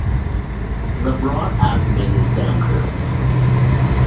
The broad abdomen is downcurved.